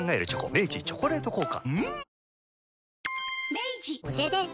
明治「チョコレート効果」